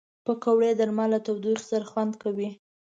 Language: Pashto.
پکورې د لمر له تودوخې سره خوند کوي